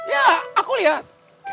ya aku lihat